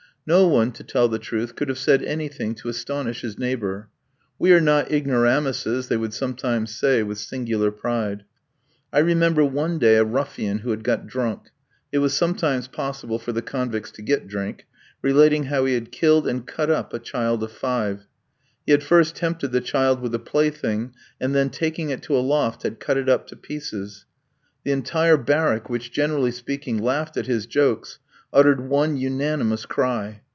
No one, to tell the truth, could have said anything to astonish his neighbour. "We are not ignoramuses," they would sometimes say with singular pride. I remember one day a ruffian who had got drunk it was sometimes possible for the convicts to get drink relating how he had killed and cut up a child of five. He had first tempted the child with a plaything, and then taking it to a loft, had cut it up to pieces. The entire barrack, which, generally speaking, laughed at his jokes, uttered one unanimous cry.